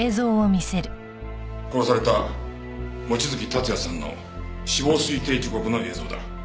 殺された望月達也さんの死亡推定時刻の映像だ。